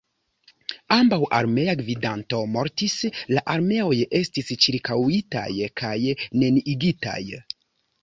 Ambaŭ armea gvidanto mortis, la armeoj estis ĉirkaŭitaj kaj neniigitaj.